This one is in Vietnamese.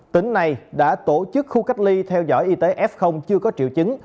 tỉnh này đã tổ chức khu cách ly theo dõi y tế f chưa có triệu chứng